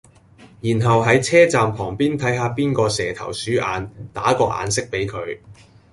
然後係車站旁邊睇下邊個蛇頭鼠眼，打個眼色比佢